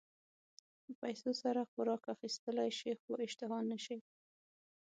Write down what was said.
په پیسو سره خوراک اخيستلی شې خو اشتها نه شې.